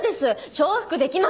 承服できません。